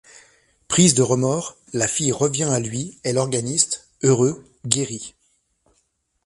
Prise de remords, la fille revient à lui et l'organiste, heureux, guérit.